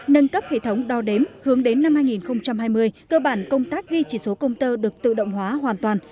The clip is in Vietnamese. nâng cấp hệ thống đo đếm hướng đến năm hai nghìn hai mươi cơ bản công tác ghi chỉ số công tơ được tự động hóa hoàn toàn